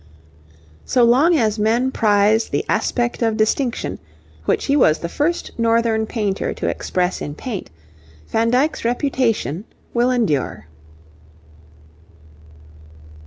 So long as men prize the aspect of distinction, which he was the first Northern painter to express in paint, Van Dyck's reputation will endure.